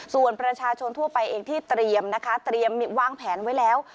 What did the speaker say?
ส่วนประชาชนทั่วไปเองที่เตรียมนะคะเตรียมวางแผนไว้แล้ว